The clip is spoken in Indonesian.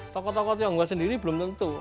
toko toko tionghoa sendiri belum tentu